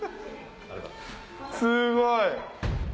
すごい。